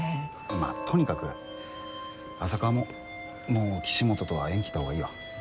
まあとにかく浅川ももう岸本とは縁切ったほうがいいよ。